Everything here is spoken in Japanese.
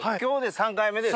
３回目です。